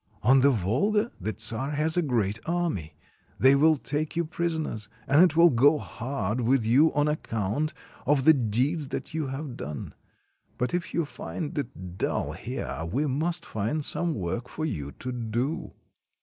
On the Volga the czar has a great army; they will take you prisoners, and it will go hard with you on account of the deeds that you have done. But if you find it dull here, we must find some work for you to do."